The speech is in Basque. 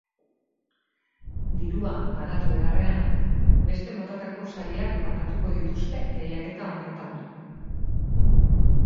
Dirua banatu beharrean, beste motatako sariak banatuko dituzte lehiaketa honetan.